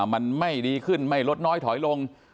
มันไม่ดีขึ้นไม่ลดน้อยถอยลง